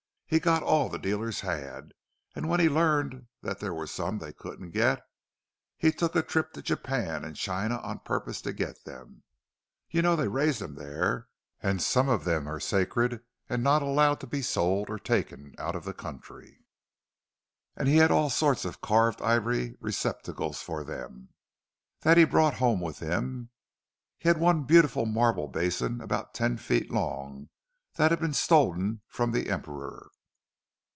He got all the dealers had, and when he learned that there were some they couldn't get, he took a trip to Japan and China on purpose to get them. You know they raise them there, and some of them are sacred, and not allowed to be sold or taken out of the country. And he had all sorts of carved ivory receptacles for them, that he brought home with him—he had one beautiful marble basin about ten feet long, that had been stolen from the Emperor."